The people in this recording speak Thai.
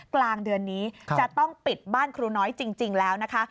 กลางเดือนนี้จะต้องปิดบ้านครูน้อยจริงแล้วนะคะ